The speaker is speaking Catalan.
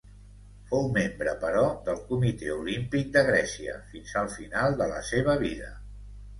Fou membre, però, del Comitè Olímpic de Grècia fins al final de la seva vida.